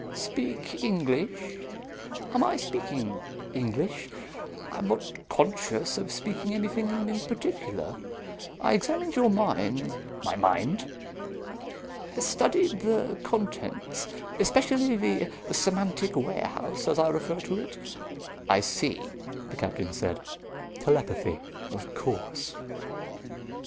"Speak English? Am I speaking English? I'm not conscious of speaking anything in particular. I examined your mind " "My mind?" "I studied the contents, especially the semantic warehouse, as I refer to it " "I see," the Captain said. "Telepathy. Of course."